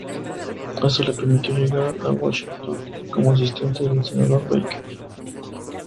Esto le permitió llegar a Washington como asistente del Senador Baker.